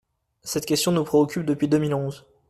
Cette question nous préoccupe depuis deux mille onze.